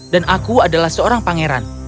dan aku adalah seorang pangeran